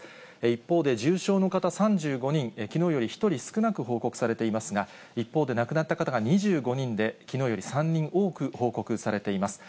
一方で、重症の方３５人、きのうより１人少なく報告されていますが、一方で、亡くなった方が２５人で、きのうより３人多く報告されています。